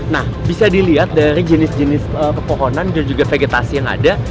nah bisa dilihat dari jenis jenis pepohonan dan juga vegetasi yang ada